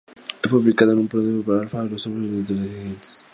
Fue publicada una demo pre-alfa en los foros de realtimestrategies.net.